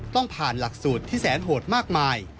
ต้องผ่านหลักสูตรที่แสนโหดมากมาย